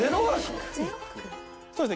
そうですね。